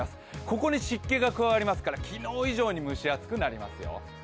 ここに湿気が加わりますから昨日以上に蒸し暑くなりますよ。